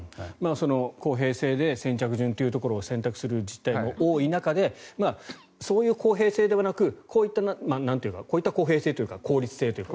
公平性で先着順というところを選択する自治体も多い中でそういう公平性ではなくこういった公平性というか効率性というか